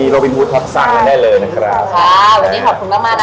ขอบคุณค่ะขอบคุณค่ะสวัสดีครับ